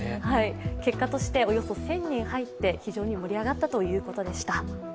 結果として、およそ１０００人入って、非常に盛り上がったということでした。